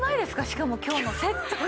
しかも今日のセットが。